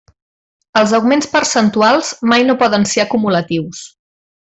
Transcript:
Els augments percentuals mai no poden ser acumulatius.